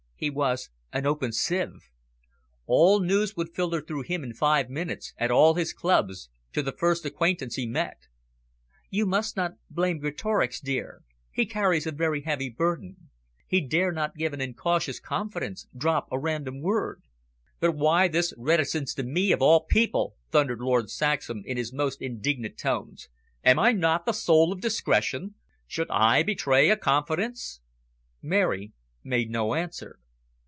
He was an open sieve. All news would filter through him in five minutes, at all his clubs, to the first acquaintance he met. "You must not blame Greatorex, dear; he carries a very heavy burden. He dare not give an incautious confidence, drop a random word." "But why this reticence to me, of all people?" thundered Lord Saxham, in his most indignant tones. "Am I not the soul of discretion? Should I betray a confidence?" Mary made no answer.